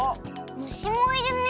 むしもいるね。